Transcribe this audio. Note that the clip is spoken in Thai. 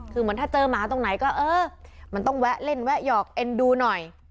คือเหมือนถ้าเจอหมาตรงไหนก็เออมันต้องแวะเล่นแวะหยอกเอ็นดูหน่อย